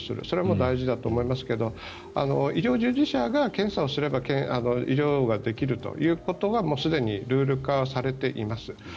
それも大事だと思いますが医療従事者が検査をすれば医療ができるということはすでにルール化されています。